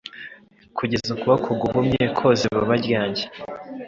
Kugeza ukuboko guhumye Kwoza ibaba ryanjye.